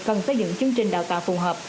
cần phát dựng chương trình đào tạo phù hợp